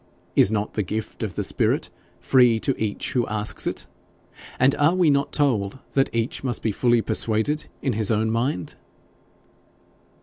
Is not the gift of the Spirit free to each who asks it? And are we not told that each must be fully persuaded in his own mind?'